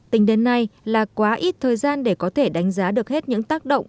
tính đến nay là quá ít thời gian để có thể đánh giá được hết những tác động